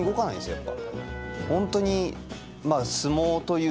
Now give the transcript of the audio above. やっぱ。